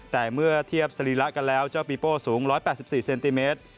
แต่เมื่อเทียบสรีระกันแล้วเจ้าปีโป้สูง๑๘๔เซนติเมตร